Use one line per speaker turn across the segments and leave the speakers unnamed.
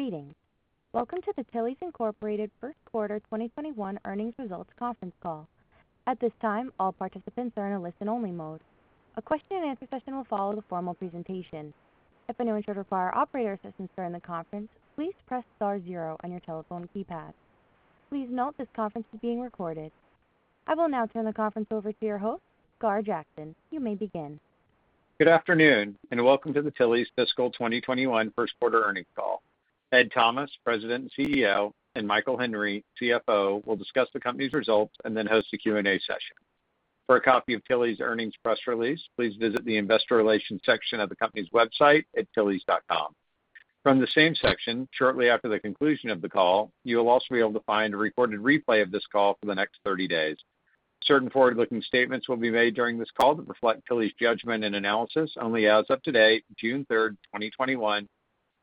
Greetings, welcome to the Tilly's, Inc. First Quarter 2021 Earnings Results Conference Call. At this time, all participants are in listen only mode. A question and answer session will follow the formal presentation. If anyone should require operator assistance during the conference, please press star zero on your telephone keypad. Please note this conference is being recorded. I will now turn the conference over to your host, Gar Jackson. You may begin.
Good afternoon, and welcome to the Tilly's fiscal 2022 first quarter earnings call. Ed Thomas, President and CEO, and Michael Henry, CFO, will discuss the company's results and then host a Q&A session. For a copy of Tilly's Earnings Press Release, please visit the investor relations section of the company's website at tillys.com. From the same section, shortly after the conclusion of the call, you'll also be able to find a recorded replay of this call for the next 30 days. Certain forward-looking statements will be made during this call that reflect Tilly's judgment and analysis only as of today, June third, 2021,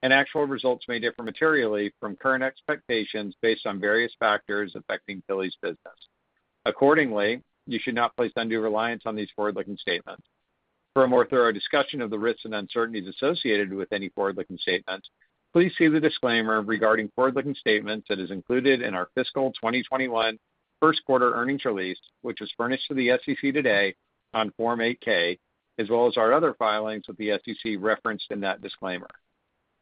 and actual results may differ materially from current expectations based on various factors affecting Tilly's business. Accordingly, you should not place undue reliance on these forward-looking statements. For a more thorough discussion of the risks and uncertainties associated with any forward-looking statements, please see the disclaimer regarding forward-looking statements that is included in our fiscal 2021 first quarter earnings release, which was furnished to the SEC today on Form 8-K, as well as our other filings with the SEC referenced in that disclaimer.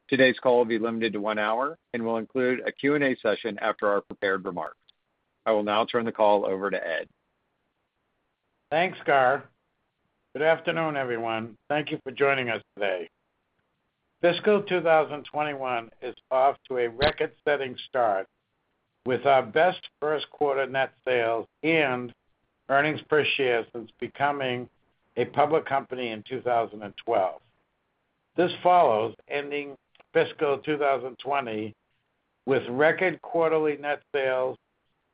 Today's call will be limited to one hour and will include a Q&A session after our prepared remarks. I will now turn the call over to Ed.
Thanks, Gar. Good afternoon, everyone, thank you for joining us today. fiscal 2021 is off to a record-setting start with our best first quarter net sales and earnings per share since becoming a public company in 2012. This follows ending fiscal 2020 with record quarterly net sales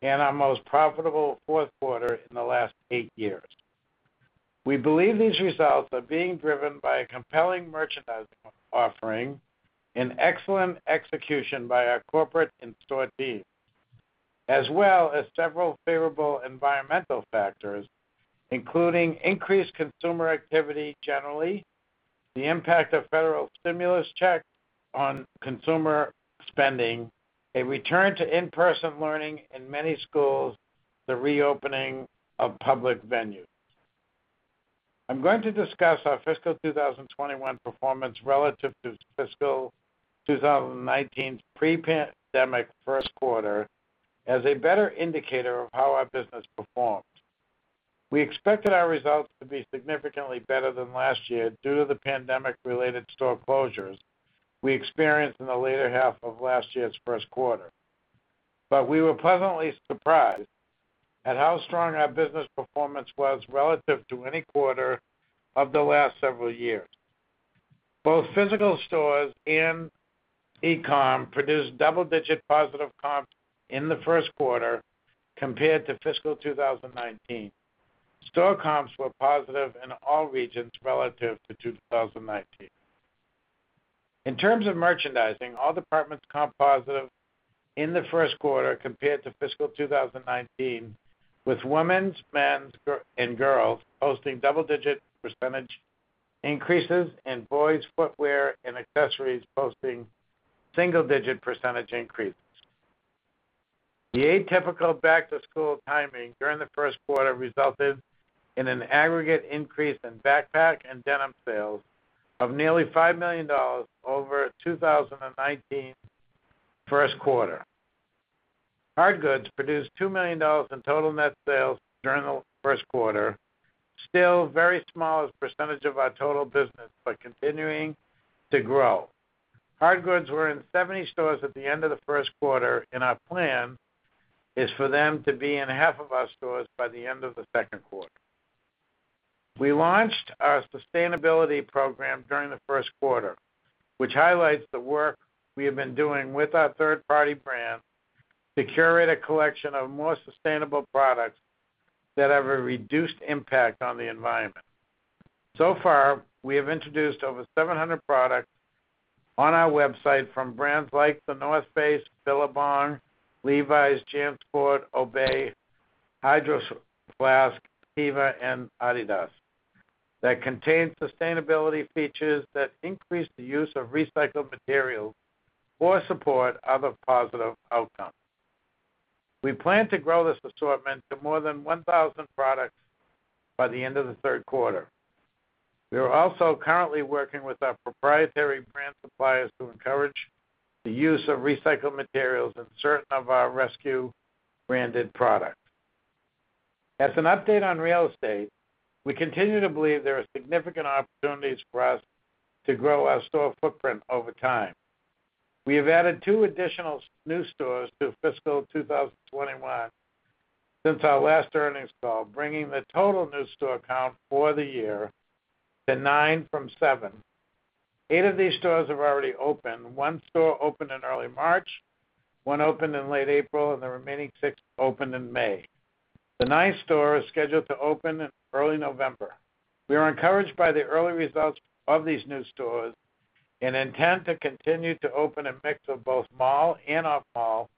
and our most profitable fourth quarter in the last eight years. We believe these results are being driven by a compelling merchandising offering and excellent execution by our corporate and store teams, as well as several favorable environmental factors, including increased consumer activity generally, the impact of federal stimulus checks on consumer spending, a return to in-person learning in many schools, the reopening of public venues. I'm going to discuss our fiscal 2021 performance relative to fiscal 2019's pre-pandemic first quarter as a better indicator of how our business performs. We expected our results to be significantly better than last year due to the pandemic-related store closures we experienced in the later half of last year's first quarter, but we were pleasantly surprised at how strong our business performance was relative to any quarter of the last several years. Both physical stores and e-com produced double-digit positive comps in the first quarter compared to fiscal 2019. Store comps were positive in all regions relative to 2019. In terms of merchandising, all departments comped positive in the first quarter compared to fiscal 2019, with women's, men's, and girls' posting double-digit percentage increases and boys' footwear and accessories posting single-digit percentage increases. The atypical back-to-school timing during the first quarter resulted in an aggregate increase in backpack and denim sales of nearly $5 million over 2019 first quarter. Hard Goods produced $2 million in total net sales during the first quarter, still very small as a percentage of our total business, but continuing to grow. Hard Goods were in 70 stores at the end of the first quarter, and our plan is for them to be in half of our stores by the end of the second quarter. We launched our sustainability program during the first quarter, which highlights the work we have been doing with our third-party brands to curate a collection of more sustainable products that have a reduced impact on the environment. So far, we have introduced over 700 products on our website from brands like The North Face, Billabong, Levi's, JanSport, Obey, Hydro Flask, Fila, and Adidas that contain sustainability features that increase the use of recycled materials or support other positive outcomes. We plan to grow this assortment to more than 1,000 products by the end of the third quarter. We are also currently working with our proprietary brand suppliers to encourage the use of recycled materials in certain of our RSQ branded products. As an update on real estate, we continue to believe there are significant opportunities for us to grow our store footprint over time. We have added two additional new stores to fiscal 2021 since our last earnings call, bringing the total new store count for the year to nine from seven. Eight of these stores have already opened. One store opened in early March, one opened in late April, and the remaining six opened in May. The ninth store is scheduled to open in early November. We are encouraged by the early results of these new stores and intend to continue to open a mix of both mall and off-mall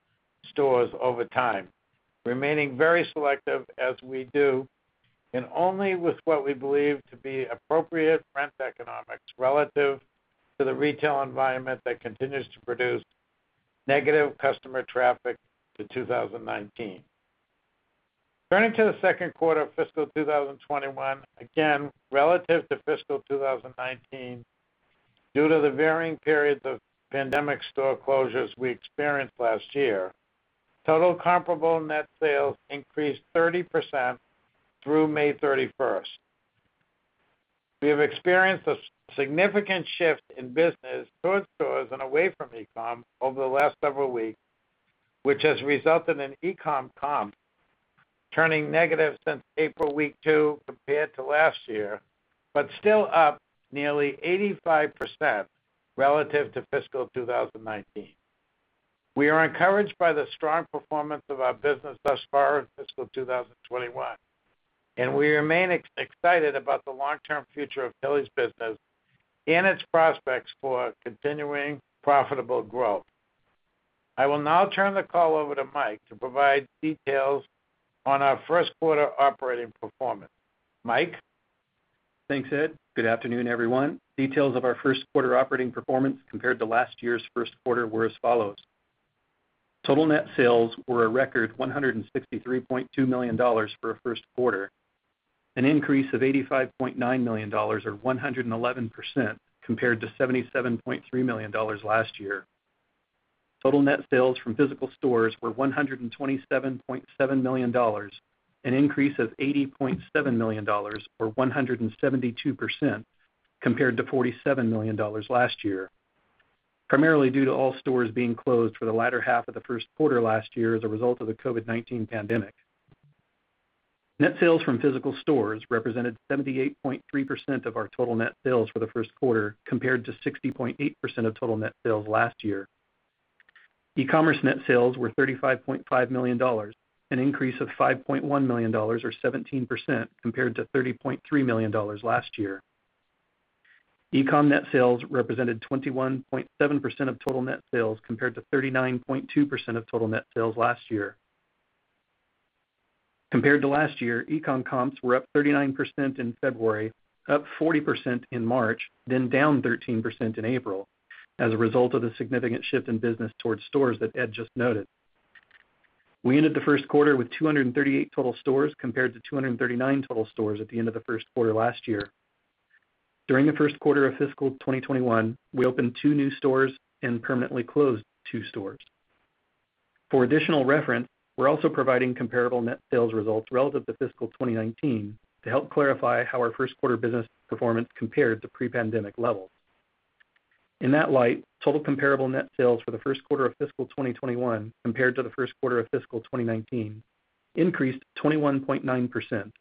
stores over time, remaining very selective as we do, and only with what we believe to be appropriate rent economics relative to the retail environment that continues to produce negative customer traffic to 2019. Turning to the second quarter of fiscal 2021, again, relative to fiscal 2019, due to the varying periods of pandemic store closures we experienced last year, total comparable net sales increased 30% through May 31st. We have experienced a significant shift in business towards stores and away from e-com over the last several weeks, which has resulted in e-com comps turning negative since April week two compared to last year, but still up nearly 85% relative to fiscal 2019. We are encouraged by the strong performance of our business thus far in fiscal 2021, and we remain excited about the long-term future of Tillys business and its prospects for continuing profitable growth. I will now turn the call over to Mike to provide details on our first quarter operating performance, Mike?
Thanks, Ed. Good afternoon, everyone. Details of our first quarter operating performance compared to last year's first quarter were as follows. Total net sales were a record $163.2 million for a first quarter, an increase of $85.9 million or 111%, compared to $77.3 million last year. Total net sales from physical stores were $127.7 million, an increase of $80.7 million or 172%, compared to $47 million last year, primarily due to all stores being closed for the latter half of the first quarter last year as a result of the COVID-19 pandemic. Net sales from physical stores represented 78.3% of our total net sales for the first quarter, compared to 60.8% of total net sales last year. e-commerce net sales were $35.5 million, an increase of $5.1 million or 17%, compared to $30.3 million last year. E-com net sales represented 21.7% of total net sales, compared to 39.2% of total net sales last year. Compared to last year, e-com comps were up 39% in February, up 40% in March, then down 13% in April as a result of the significant shift in business towards stores that Ed just noted. We ended the first quarter with 238 total stores compared to 239 total stores at the end of the first quarter last year. During the first quarter of fiscal 2021, we opened two new stores and permanently closed two stores. For additional reference, we're also providing comparable net sales results relative to fiscal 2019 to help clarify how our first quarter business performance compared to pre-pandemic levels. In that light, total comparable net sales for the first quarter of fiscal 2021 compared to the first quarter of fiscal 2019 increased 21.9%,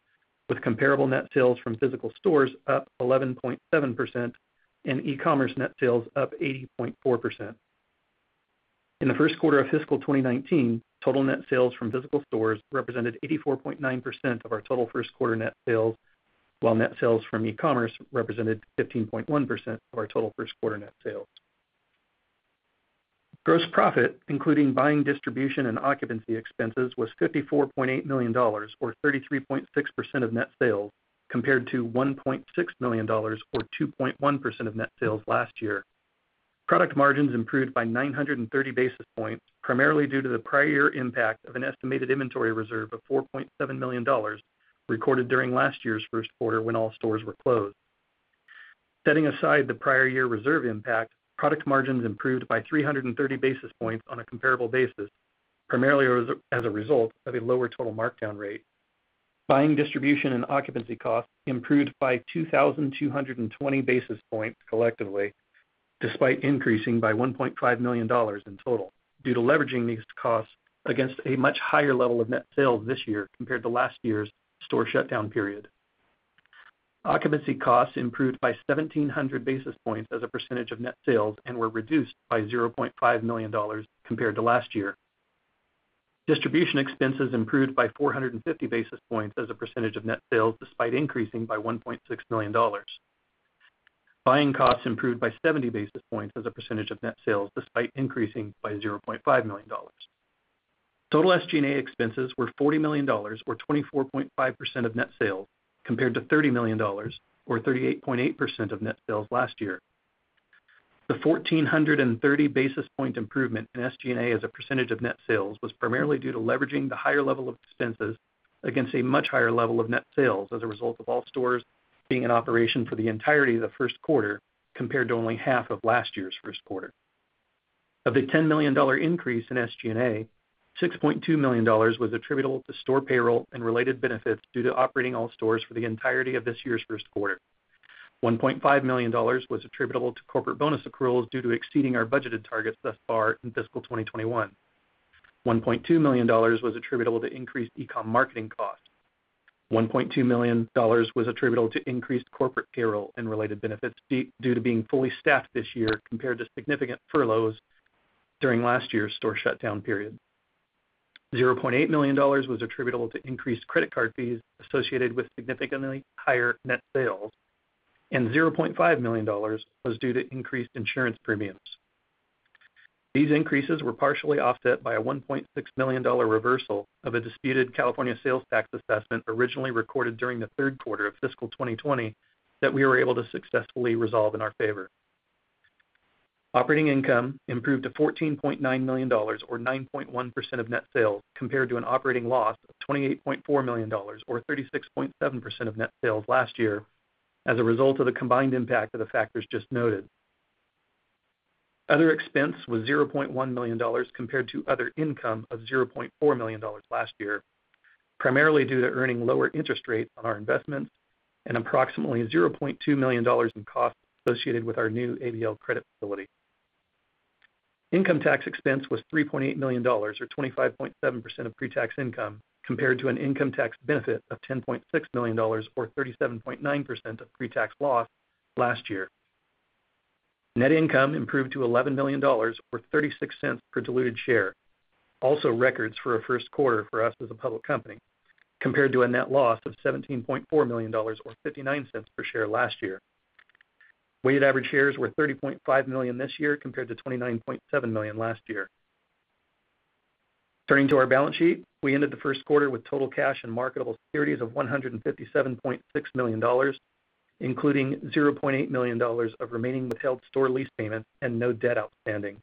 with comparable net sales from physical stores up 11.7% and e-commerce net sales up 80.4%. In the first quarter of fiscal 2019, total net sales from physical stores represented 84.9% of our total first quarter net sales, while net sales from e-commerce represented 15.1% of our total first quarter net sales. Gross profit, including buying, distribution, and occupancy expenses, was $54.8 million or 33.6% of net sales, compared to $1.6 million or 2.1% of net sales last year. Product margins improved by 930 basis points, primarily due to the prior year impact of an estimated inventory reserve of $4.7 million recorded during last year's first quarter when all stores were closed. Setting aside the prior year reserve impact, product margins improved by 330 basis points on a comparable basis, primarily as a result of a lower total markdown rate. Buying, distribution, and occupancy costs improved by 2,220 basis points collectively, despite increasing by $1.5 million in total due to leveraging these costs against a much higher level of net sales this year compared to last year's store shutdown period. Occupancy costs improved by 1,700 basis points as a percentage of net sales and were reduced by $0.5 million compared to last year. Distribution expenses improved by 450 basis points as a percentage of net sales, despite increasing by $1.6 million. Buying costs improved by 70 basis points as a percentage of net sales, despite increasing by $0.5 million. Total SG&A expenses were $40 million or 24.5% of net sales, compared to $30 million or 38.8% of net sales last year. The 1,430 basis point improvement in SG&A as a percentage of net sales was primarily due to leveraging the higher level of expenses against a much higher level of net sales as a result of all stores being in operation for the entirety of the first quarter, compared to only half of last year's first quarter. Of the $10 million increase in SG&A, $6.2 million was attributable to store payroll and related benefits due to operating all stores for the entirety of this year's first quarter. $1.5 million was attributable to corporate bonus accruals due to exceeding our budgeted targets thus far in fiscal 2021. $1.2 million was attributable to increased e-com marketing costs. $1.2 million was attributable to increased corporate payroll and related benefits due to being fully staffed this year compared to significant furloughs during last year's store shutdown period. $0.8 million was attributable to increased credit card fees associated with significantly higher net sales. $0.5 million was due to increased insurance premiums. These increases were partially offset by a $1.6 million reversal of a disputed California sales tax assessment originally recorded during the third quarter of fiscal 2020 that we were able to successfully resolve in our favor. Operating income improved to $14.9 million, or 9.1% of net sales, compared to an operating loss of $28.4 million, or 36.7% of net sales last year, as a result of the combined impact of the factors just noted. Other expense was $0.1 million compared to other income of $0.4 million last year, primarily due to earning lower interest rates on our investments and approximately $0.2 million in costs associated with our new ABL credit facility. Income tax expense was $3.8 million, or 25.7% of pre-tax income, compared to an income tax benefit of $10.6 million or 37.9% of pre-tax loss last year. Net income improved to $11 million or $0.36 per diluted share, also records for a first quarter for us as a public company, compared to a net loss of $17.4 million or $0.59 per share last year. Weighted average shares were 30.5 million this year, compared to 29.7 million last year. Turning to our balance sheet, we ended the first quarter with total cash and marketable securities of $157.6 million, including $0.8 million of remaining withheld store lease payments and no debt outstanding.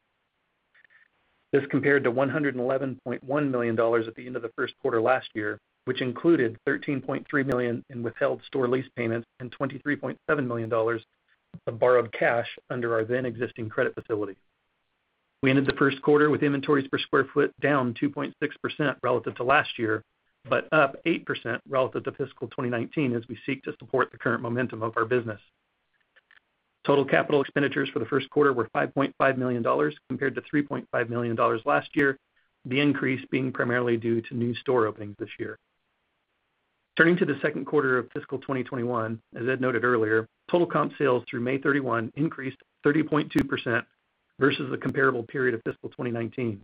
This compared to $111.1 million at the end of the first quarter last year, which included $13.3 million in withheld store lease payments and $23.7 million of borrowed cash under our then existing credit facility. We ended the first quarter with inventories per square foot down 2.6% relative to last year, but up 8% relative to fiscal 2019 as we seek to support the current momentum of our business. Total capital expenditures for the first quarter were $5.5 million compared to $3.5 million last year, the increase being primarily due to new store openings this year. Turning to the second quarter of fiscal 2021, as Ed noted earlier, total comp sales through May 31 increased 30.2% versus the comparable period of fiscal 2019.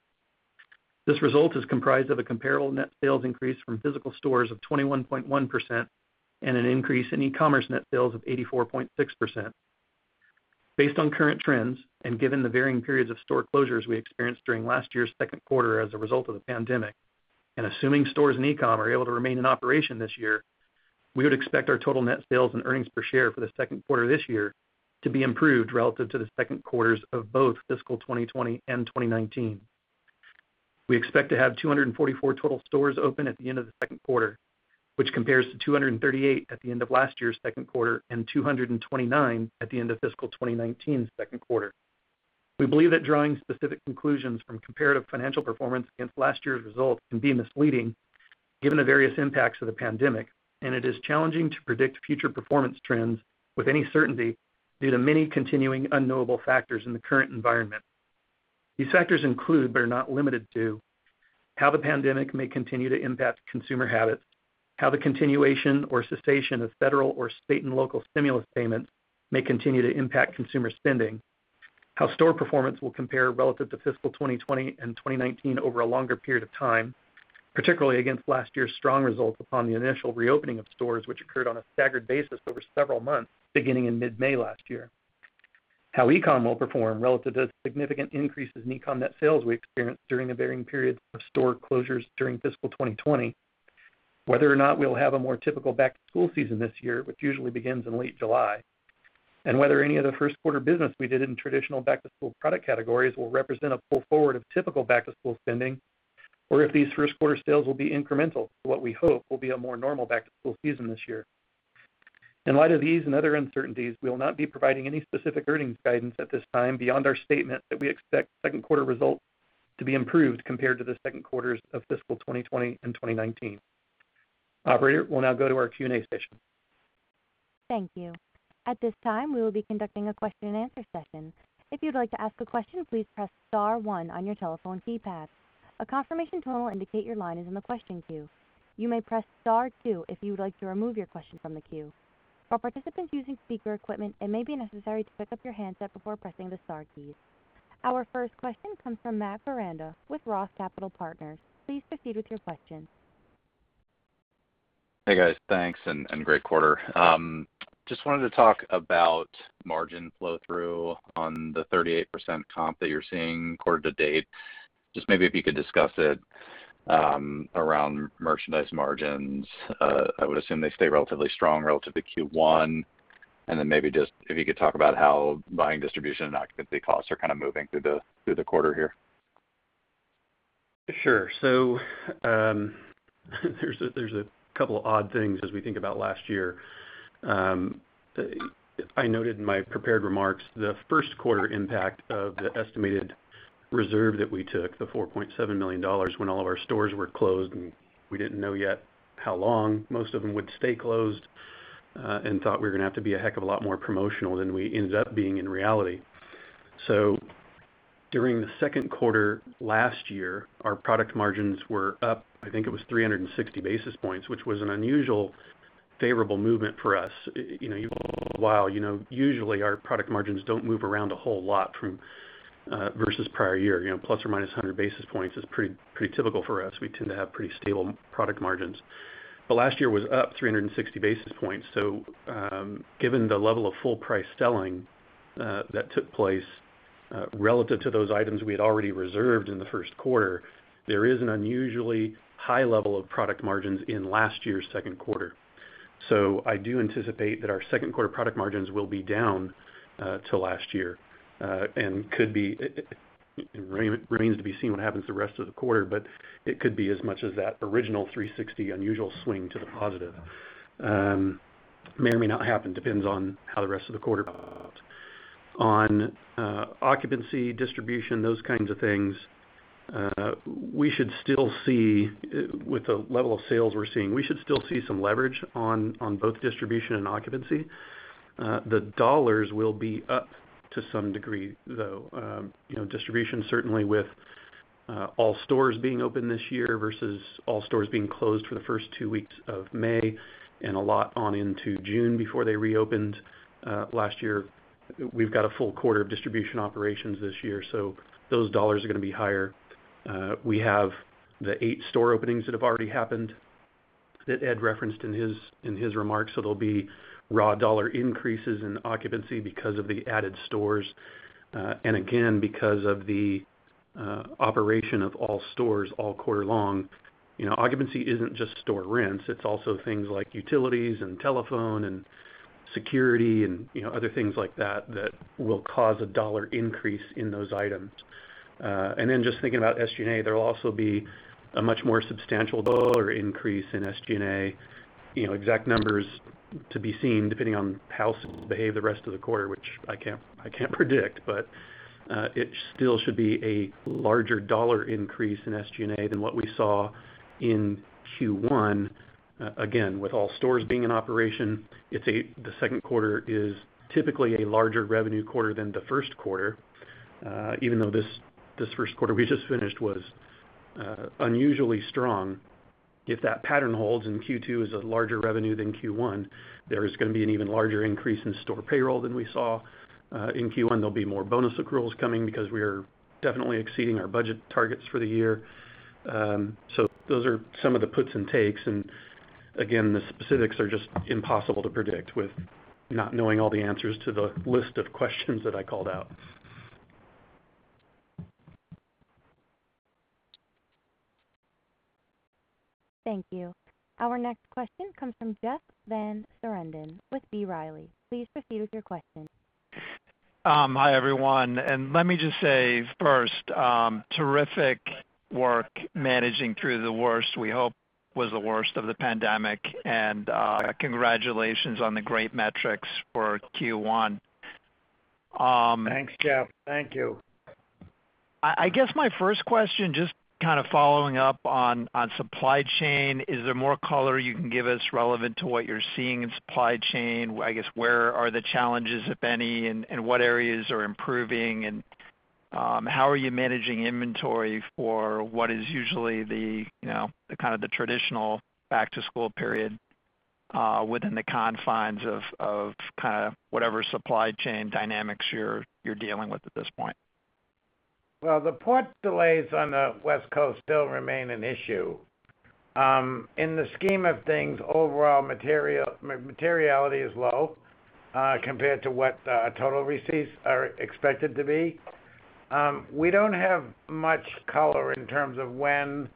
This result is comprised of a comparable net sales increase from physical stores of 21.1% and an increase in e-commerce net sales of 84.6%. Based on current trends, and given the varying periods of store closures we experienced during last year's second quarter as a result of the pandemic, and assuming stores and e-com are able to remain in operation this year, we would expect our total net sales and earnings per share for the second quarter this year to be improved relative to the second quarters of both fiscal 2020 and 2019. We expect to have 244 total stores open at the end of the second quarter, which compares to 238 at the end of last year's second quarter and 229 at the end of fiscal 2019's second quarter. We believe that drawing specific conclusions from comparative financial performance against last year's results can be misleading given the various impacts of the pandemic, and it is challenging to predict future performance trends with any certainty due to many continuing unknowable factors in the current environment. These factors include, but are not limited to, how the pandemic may continue to impact consumer habits, how the continuation or cessation of federal or state and local stimulus payments may continue to impact consumer spending, how store performance will compare relative to fiscal 2020 and 2019 over a longer period of time, particularly against last year's strong results upon the initial reopening of stores, which occurred on a staggered basis over several months beginning in mid-May last year. How e-com will perform relative to the significant increases in e-com net sales we experienced during the varying periods of store closures during fiscal 2020. Whether or not we'll have a more typical back-to-school season this year, which usually begins in late July. Whether any of the first quarter business we did in traditional back-to-school product categories will represent a pull forward of typical back-to-school spending, or if these first quarter sales will be incremental to what we hope will be a more normal back-to-school season this year. In light of these and other uncertainties, we will not be providing any specific earnings guidance at this time beyond our statement that we expect second quarter results to be improved compared to the second quarters of fiscal 2020 and 2019. Operator, we'll now go to our Q&A session.
Thank you, at this time, we will be conducting a question-and-answer session. If you'd like to ask a question, please press star one on your telephone keypad. A confirmation tone will indicate your line is in the question queue. You may press star two if you would like to remove your question from the queue. For participant's using speaker equipment, it may be necessary to pick up your handset before pressing the star keys. Our first question comes from Matt Koranda with ROTH Capital Partners. Please proceed with your question.
Hey, guys, thanks and great quarter. Just wanted to talk about margin flow through on the 38% comp that you're saying according to date, just maybe we could discuss it, around merchandise margins. I would assume they stay relatively strong, relative to Q1, and then maybe just if you could talk about how buying, distribution, and occupancy cost are kind of moving through the quarter here?
Sure, there's a couple odd things as we think about last year. I noted in my prepared remarks the first quarter impact of the estimated reserve that we took, the $4.7 million, when all of our stores were closed, and we didn't know yet how long most of them would stay closed, and thought we were gonna have to be a heck of a lot more promotional than we ended up being in reality. During the second quarter last year, our product margins were up, I think it was 360 basis points, which was an unusual favorable movement for us. While usually our product margins don't move around a whole lot from versus prior year. ±100 basis points is pretty typical for us. We tend to have pretty stable product margins. Last year was up 360 basis points. Given the level of full price selling that took place relative to those items we had already reserved in the first quarter, there is an unusually high level of product margins in last year's second quarter. I do anticipate that our second quarter product margins will be down to last year, and remains to be seen what happens the rest of the quarter, but it could be as much as that original 360 basis points unusual swing to the positive. May or may not happen, depends on how the rest of the quarter goes. On occupancy, distribution, those kinds of things, with the level of sales we're seeing, we should still see some leverage on both distribution and occupancy. The dollars will be up to some degree, though. Distribution certainly with all stores being open this year versus all stores being closed for the first two weeks of May and a lot on into June before they reopened last year. We've got a full quarter of distribution operations this year, so those dollars are going to be higher. We have the eight store openings that have already happened that Ed referenced in his remarks. That'll be raw dollar increases in occupancy because of the added stores. Again, because of the operation of all stores all quarter long. Occupancy isn't just store rents, it's also things like utilities and telephone and security and other things like that that will cause a dollar increase in those items. Then just thinking about SG&A, there'll also be a much more substantial dollar increase in SG&A. Exact numbers to be seen depending on how stores behave the rest of the quarter, which I can't predict. It still should be a larger dollar increase in SG&A than what we saw in Q1. Again, with all stores being in operation, the second quarter is typically a larger revenue quarter than the first quarter. Even though this first quarter we just finished was unusually strong. If that pattern holds and Q2 is a larger revenue than Q1, there is going to be an even larger increase in store payroll than we saw in Q1. There'll be more bonus accruals coming because we are definitely exceeding our budget targets for the year. Those are some of the puts and takes. Again, the specifics are just impossible to predict with not knowing all the answers to the list of questions that I called out.
Thank you, our next question comes from Jeff Van Sinderen with B. Riley Securities, please proceed with your question.
Hi, everyone, and let me just say first, terrific work managing through the worst, we hope was the worst of the pandemic, and congratulations on the great metrics for Q1.
Thanks, Jeff, thank you.
I guess my first question, just following up on supply chain, is there more color you can give us relevant to what you're seeing in supply chain? I guess where are the challenges, if any, and what areas are improving, and how are you managing inventory for what is usually the traditional back-to-school period within the confines of whatever supply chain dynamics you're dealing with at this point?
Well, the port delays on the West Coast still remain an issue. In the scheme of things, overall materiality is low compared to what total receipts are expected to be. We don't have much color in terms of when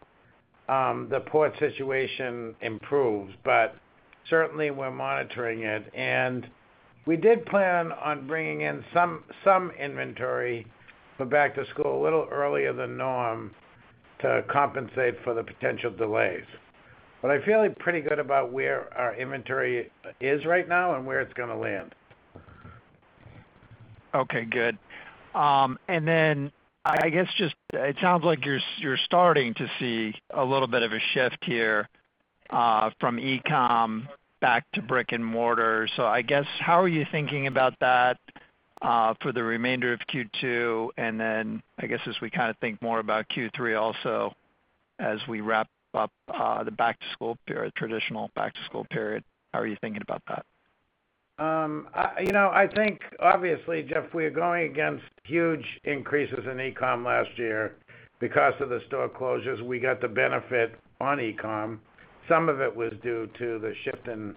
the port situation improves, but certainly we're monitoring it. We did plan on bringing in some inventory for back to school a little earlier than norm to compensate for the potential delays. I'm feeling pretty good about where our inventory is right now and where it's going to land.
Okay, good, I guess it sounds like you're starting to see a little bit of a shift here from e-com back to brick and mortar. I guess how are you thinking about that for the remainder of Q2? I guess as we think more about Q3 also as we wrap up the traditional back-to-school period, how are you thinking about that?
I think obviously, Jeff, we are going against huge increases in e-com last year because of the store closures. We got the benefit on e-com. Some of it was due to the shift in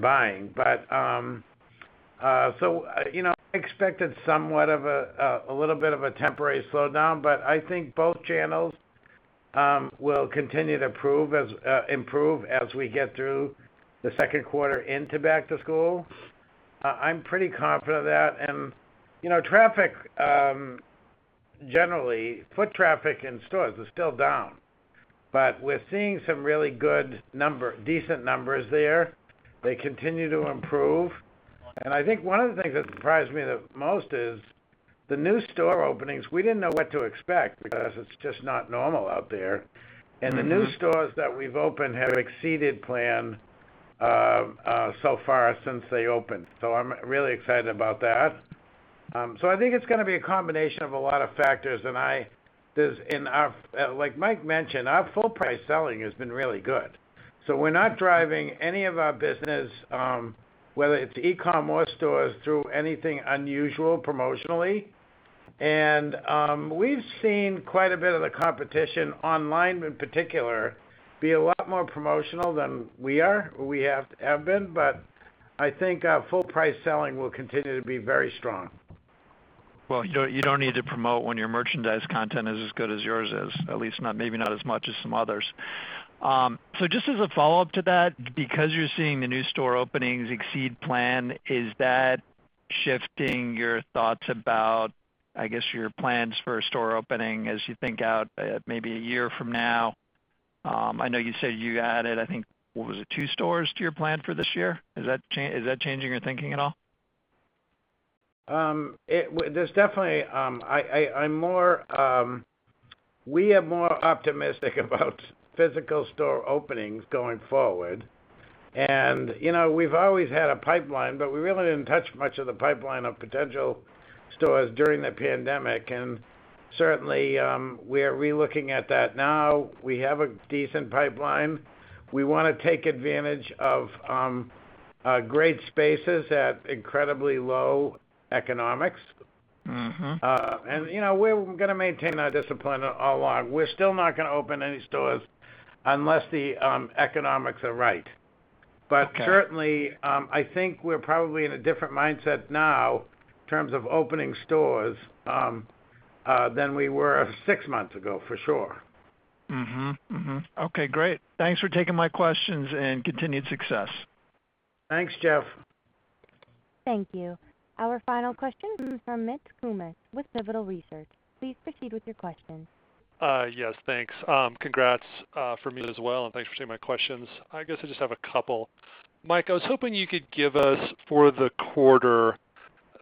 buying. I expected somewhat of a little bit of a temporary slowdown, but I think both channels will continue to improve as we get through the second quarter into back to school. I'm pretty confident of that. Traffic, generally, foot traffic in stores is still down. We're seeing some really good, decent numbers there, they continue to improve. I think one of the things that surprised me the most is the new store openings. We didn't know what to expect because it's just not normal out there. The new stores that we've opened have exceeded plan so far since they opened. I'm really excited about that. I think it's going to be a combination of a lot of factors, and like Michael mentioned, our full price selling has been really good. We're not driving any of our business, whether it's e-com or stores, through anything unusual promotionally. We've seen quite a bit of the competition online in particular, be a lot more promotional than we are, or we have been. I think our full-price selling will continue to be very strong.
Well, you don't need to promote when your merchandise content is as good as yours is, at least maybe not as much as some others. Just as a follow-up to that, because you're seeing the new store openings exceed plan, is that shifting your thoughts about, I guess, your plans for a store opening as you think out maybe a year from now? I know you said you added, I think, what was it, two stores to your plan for this year? Is that changing your thinking at all?
We are more optimistic about physical store openings going forward. We've always had a pipeline, but we really didn't touch much of the pipeline of potential stores during the pandemic. Certainly, we are relooking at that now. We have a decent pipeline. We want to take advantage of great spaces at incredibly low economics. We're going to maintain that discipline all along. We're still not going to open any stores unless the economics are right. Certainly, I think we're probably in a different mindset now in terms of opening stores than we were six months ago, for sure.
Mm-hmm, okay, great. Thanks for taking my questions and continued success.
Thanks, Jeff.
Thank you, our final question is from Mitch Kummetz with Pivotal Research Group, please proceed with your question.
Yes, thanks, congrats from me as well, and thanks for taking my questions. I guess I just have a couple. Mike, I was hoping you could give us for the quarter,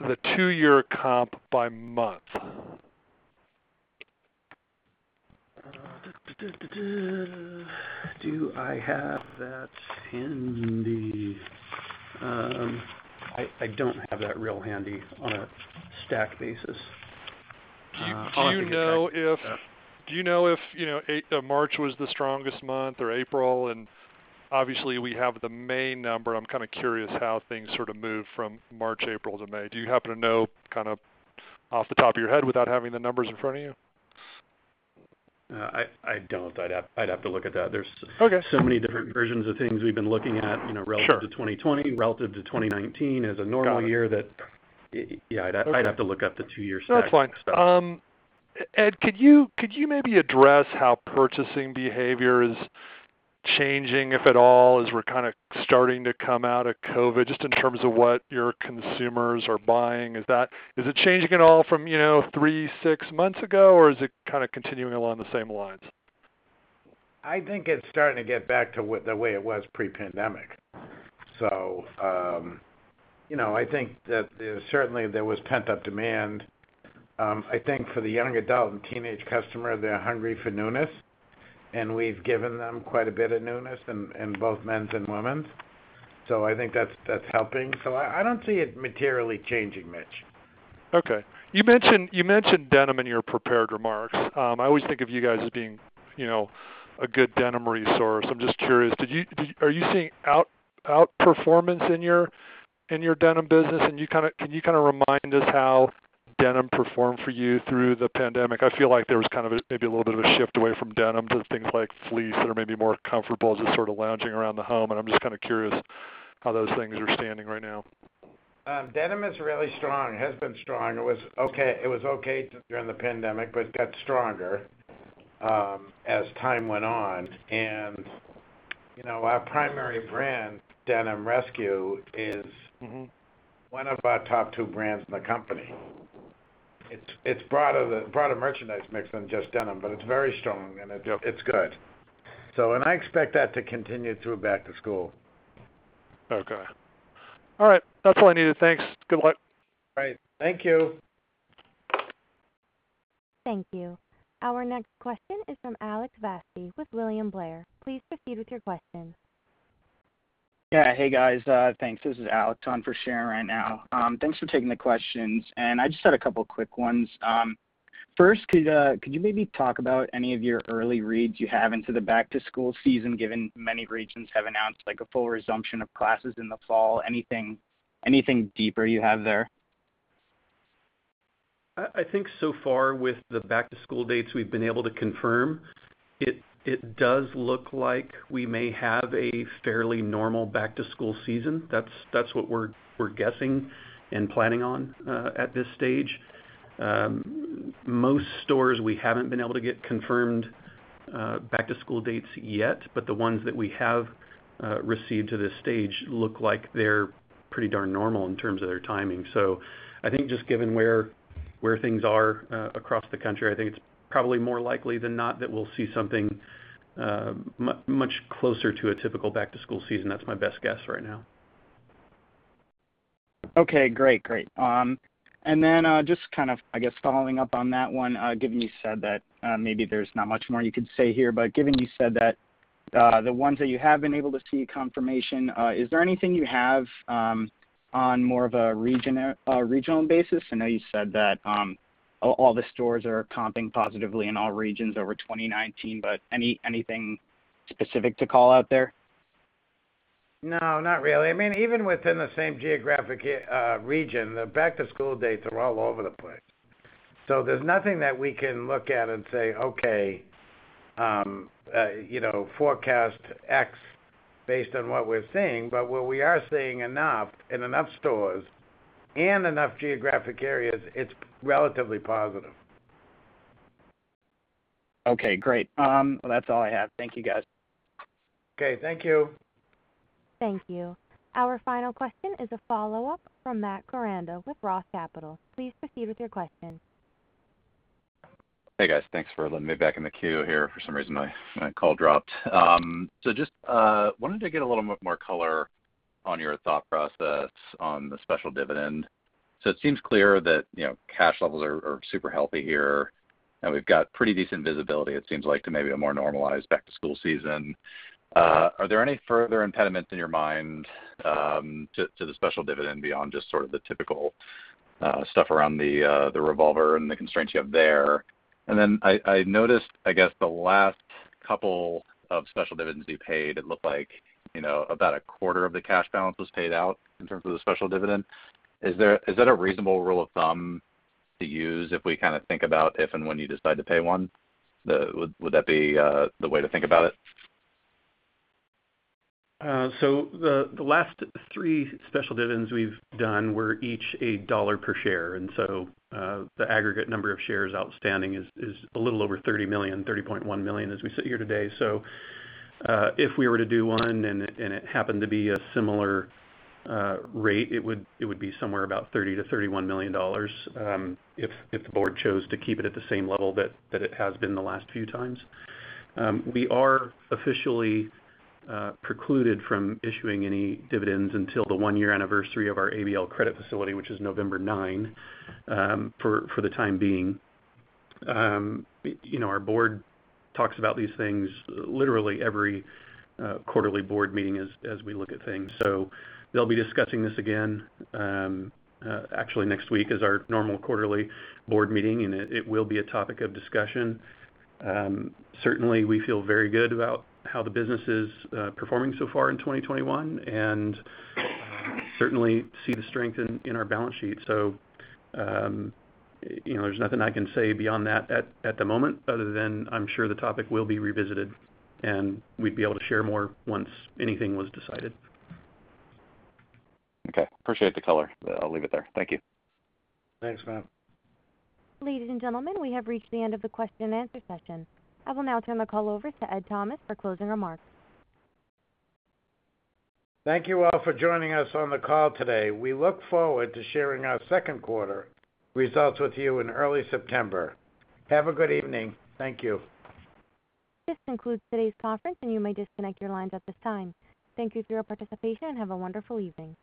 the two-year comp by month?
Do I have that handy? I don't have that real handy on a stack basis.
Do you know if March was the strongest month or April? Obviously, we have the May number. I'm kind of curious how things sort of move from March, April to May. Do you happen to know kind of off the top of your head without having the numbers in front of you?
No, I don't, I'd have to look at that-
Okay....
there's so many different versions of things we've been looking at-
Sure....
relative to 2020, relative to 2019 as a normal year-
Got it....
yeah, I'd have to look at the two-year stack.
No, that's fine. Ed, could you maybe address how purchasing behavior is changing, if at all, as we're kind of starting to come out of COVID, just in terms of what your consumers are buying? Is it changing at all from three, six months ago, or is it kind of continuing along the same lines?
I think it's starting to get back to the way it was pre-pandemic. I think that certainly there was pent-up demand. I think for the young adult and teenage customer, they're hungry for newness, and we've given them quite a bit of newness in both men's and women's. I think that's helping, I don't see it materially changing, Mitch.
Okay, you mentioned denim in your prepared remarks. I always think of you guys as being a good denim resource. I'm just curious, are you seeing outperformance in your denim business? Can you kind of remind us how denim performed for you through the pandemic? I feel like there was kind of maybe a little bit of a shift away from denims and things like fleece that are maybe more comfortable just sort of lounging around the home, and I'm just kind of curious how those things are standing right now.
Denim is really strong, has been strong. It was okay during the pandemic, but it got stronger as time went on. Our primary brand, Denim RSQ is one of our top two brands in the company. It's broader merchandise mix than just denim, but it's very strong, and it's good. I expect that to continue through back to school.
Okay, all right. That's all I needed, thanks, good luck.
All right, thank you.
Thank you, our next question is from Alex Vasti with William Blair, please proceed with your question.
Yeah, hey, guys, thanks. This is Alex on for Sharon right now, thanks for taking the questions. I just had a couple of quick ones. First, could you maybe talk about any of your early reads you have into the back-to-school season, given many regions have announced a full resumption of classes in the fall? Anything deeper you have there?
I think so far with the back-to-school dates we've been able to confirm, it does look like we may have a fairly normal back-to-school season. That's what we're guessing and planning on at this stage. Most stores, we haven't been able to get confirmed back-to-school dates yet, but the ones that we have received to this stage look like they're pretty darn normal in terms of their timing. I think just given where things are across the country, I think it's probably more likely than not that we'll see something much closer to a typical back-to-school season, that's my best guess right now.
Okay, great. Following up on that one, given you said that maybe there's not much more you can say here, but given you said that the ones that you have been able to see confirmation, is there anything you have on more of a regional basis? I know you said that. All the stores are comping positively in all regions over 2019, but anything specific to call out there?
No, not really. Even within the same geographic region, the back-to-school dates are all over the place. There's nothing that we can look at and say, "Okay, forecast X based on what we're seeing." What we are seeing enough in enough stores and enough geographic areas, it's relatively positive.
Okay, great, that's all I have, thank you, guys.
Okay, thank you.
Thank you, our final question is a follow-up from Matt Koranda with ROTH Capital Partners, please proceed with your question.
Hey, guys, thanks for letting me back in the queue here. For some reason, my call dropped. Just wanted to get a little bit more color on your thought process on the special dividend. It seems clear that cash levels are super healthy here, and we've got pretty decent visibility, it seems like, to maybe a more normalized back-to-school season. Are there any further impediments in your mind to the special dividend beyond just sort of the typical stuff around the revolver and the constraints you have there? I noticed, I guess, the last couple of special dividends you paid, it looked like about a quarter of the cash balance was paid out in terms of the special dividend. Is that a reasonable rule of thumb to use if we think about if and when you decide to pay one? Would that be the way to think about it?
The last three special dividends we've done were each a dollar per share. The aggregate number of shares outstanding is a little over $30 million, $30.1 million as we sit here today. If we were to do one and it happened to be a similar rate, it would be somewhere about $30 million-$31 million if the board chose to keep it at the same level that it has been the last few times. We are officially precluded from issuing any dividends until the one-year anniversary of our ABL credit facility, which is November nine, for the time being. Our board talks about these things literally every quarterly board meeting as we look at things. They'll be discussing this again actually next week is our normal quarterly board meeting, and it will be a topic of discussion. Certainly, we feel very good about how the business is performing so far in 2021 and certainly see the strength in our balance sheet. There's nothing I can say beyond that at the moment, other than I'm sure the topic will be revisited, and we'd be able to share more once anything was decided.
Okay, appreciate the color. I'll leave it there, thank you.
Thanks, Matt.
Ladies and gentlemen, we have reached the end of the question-and-answer session. I will now turn the call over to Ed Thomas for closing remarks.
Thank you all for joining us on the call today. We look forward to sharing our second quarter results with you in early September. Have a good evening, thank you.
This concludes today's conference, and you may disconnect your lines at this time. Thank you for your participation and have a wonderful evening.